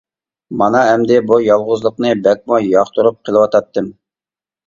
مانا ئەمدى بۇ يالغۇزلۇقنى بەكمۇ ياقتۇرۇپ قېلىۋاتاتتىم.